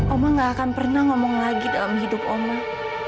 omah gak akan pernah ngomong lagi dalam hidup omah